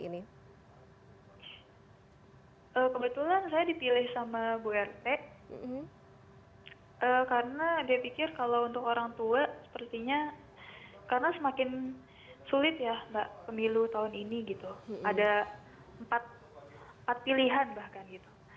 pilihan bahkan gitu